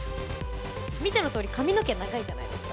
見てのとおり、髪の毛長いじゃないですか。